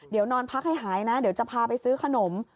เดี๋ยวนอนพักให้หายนะเดี๋ยวจะพาไปซื้อขนม